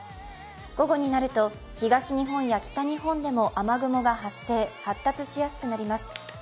午後になると東日本や北日本でも雨雲が発生、発達しやすくなります。